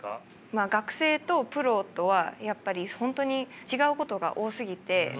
学生とプロとは本当に違うことが多すぎて。